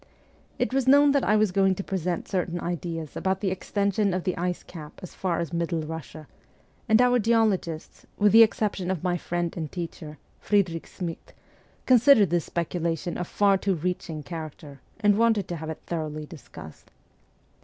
It was known that I was going to present certain ideas about the extension of the ice cap as far as Middle Russia, and our geologists, with the exception of my friend and teacher, Friedrich Schmidt, considered this speculation of far too reaching character, and wanted to have it thoroughly discussed.